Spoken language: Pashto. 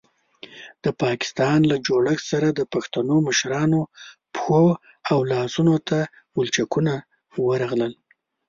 د پاکستان له جوړښت سره د پښتنو مشرانو پښو او لاسونو ته ولچکونه ورغلل.